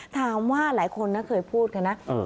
ถามว่าหลายคนน่ะเคยพูดค่ะนะเออ